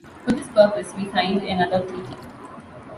For this purpose we signed another treaty.